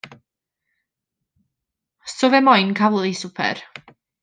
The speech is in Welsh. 'So fe moyn cawl i swper.